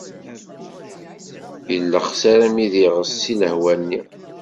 Yellexs armi d iɣes seg lehwa-nni.